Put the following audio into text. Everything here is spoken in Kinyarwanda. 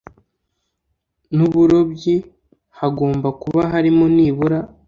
n uburobyi hagomba kuba harimo nibura